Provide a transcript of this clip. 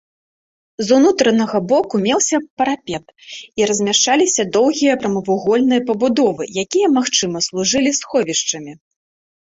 З унутранага боку меўся парапет і размяшчаліся доўгія прамавугольныя пабудовы, якія, магчыма, служылі сховішчамі.